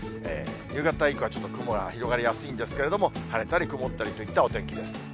夕方以降はちょっと雲が広がりやすいんですけれども、晴れたり曇ったりといったお天気です。